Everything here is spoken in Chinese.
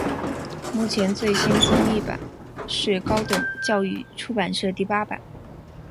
目前最新中译版是高等教育出版社第八版。